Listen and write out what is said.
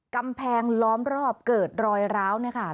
กำแพงล้อมรอบเกิดรอยร้าวเนี่ยค่ะ